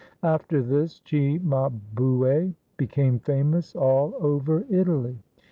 After this, Cimabue became famous all over Italy.